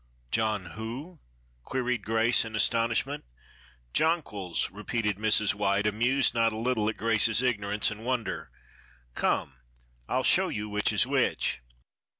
"John—who?" queried Grace, in astonishment. "Jonquils," repeated Mrs. White, amused not a little at Grace's ignorance and wonder. "Come! I'll show you which is which."